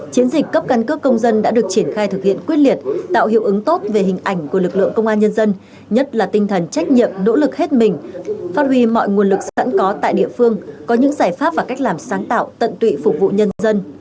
chiến dịch cấp căn cước công dân đã được triển khai thực hiện quyết liệt tạo hiệu ứng tốt về hình ảnh của lực lượng công an nhân dân nhất là tinh thần trách nhiệm nỗ lực hết mình phát huy mọi nguồn lực sẵn có tại địa phương có những giải pháp và cách làm sáng tạo tận tụy phục vụ nhân dân